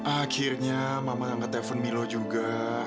akhirnya mama nge telepon milo juga